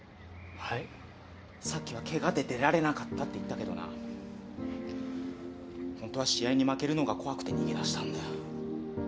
さっきはけがで出られなかったって言ったけどなほんとは試合に負けるのが怖くて逃げ出したんだよ